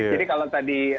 jadi kalau tadi